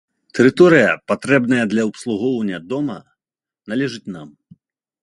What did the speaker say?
Тэрыторыя, патрэбная для абслугоўвання дома, належыць нам.